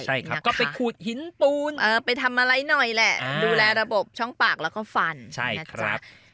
ใช่ครับก็ไปขูดหินปูนไปทำอะไรหน่อยแหละดูแลระบบช่องปากแล้วก็ฟันนะครับ